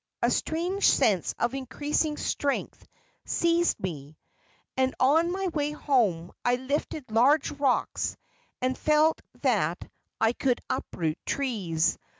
A strange sense of increasing strength seized me, and on my way home I lifted large rocks and felt that I could uproot trees.